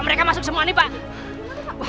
mereka masuk semua nih pak